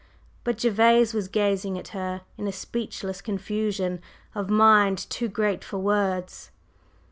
But Gervase was gazing at her in a speechless confusion of mind too great for words.